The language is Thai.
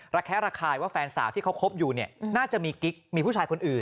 แคะระคายว่าแฟนสาวที่เขาคบอยู่เนี่ยน่าจะมีกิ๊กมีผู้ชายคนอื่น